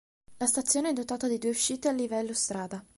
La stazione è dotata di due uscite al livello strada.